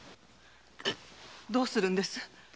どうするんです？